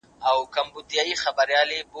که ماشوم ته مینه ورکړل شي، سالم شخصیت وده کوي.